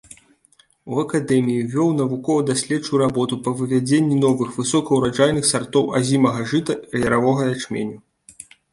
У акадэміі вёў навукова-даследчую работу па вывядзенні новых высокаўраджайных сартоў азімага жыта, яравога ячменю.